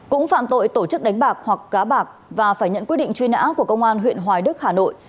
cũng phạm tội tổ chức đánh bạc hoặc cá bạc và phải nhận quyết định truy nã của công an huyện hoài đức hà nội